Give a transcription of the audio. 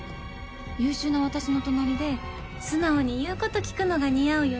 優秀な私の隣で素直に言う事聞くのが似合うよね。